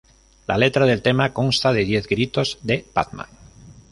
La letra del tema consta de diez gritos de "Batman!